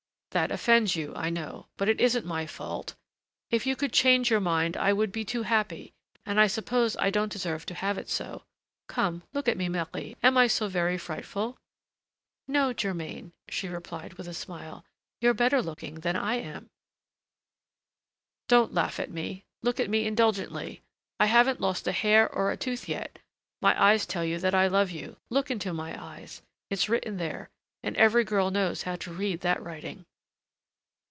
"That offends you, I know, but it isn't my fault; if you could change your mind, I should be too happy, and I suppose I don't deserve to have it so. Come, look at me, Marie, am I so very frightful?" "No, Germain," she replied, with a smile, "you're better looking than I am." "Don't laugh at me; look at me indulgently; I haven't lost a hair or a tooth yet. My eyes tell you that I love you. Look into my eyes, it's written there, and every girl knows how to read that writing."